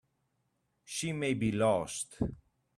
She may be lost.